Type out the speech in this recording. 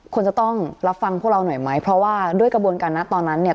ควรจะต้องรับฟังพวกเราหน่อยไหมเพราะว่าด้วยกระบวนการนะตอนนั้นเนี่ย